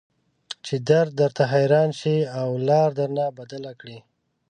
چې درد درته حيران شي او لار درنه بدله کړي.